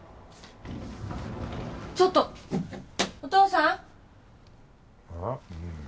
ちょっとお父さんああ？